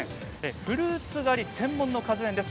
フルーツ狩り専門の果樹園です。